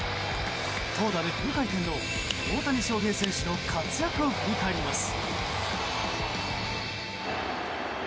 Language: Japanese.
投打でフル回転の大谷翔平選手の活躍を振り返ります。